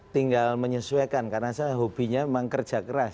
tinggal menyesuaikan karena saya hobinya memang kerja keras